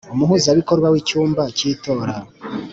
umuhuzabikorwa w icyumba cy itora.